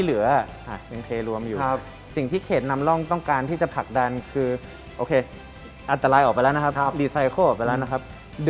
ดึงเศรษฐกิจเลยมาเนี่ยนะครับ